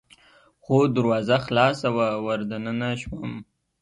خو دروازه خلاصه وه، ور دننه شوم.